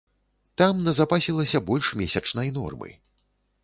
Там назапасілася больш месячнай нормы.